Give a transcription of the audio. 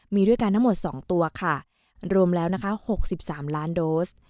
มีด้วยกันทั้งหมดสองตัวค่ะรวมแล้วนะคะหกสิบสามล้านโดส